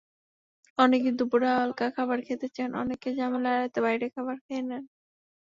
অনেকেই দুপুরে হালকা খাবার খেতে চান, অনেকে ঝামেলা এড়াতে বাইরের খাবার খেয়ে নেন।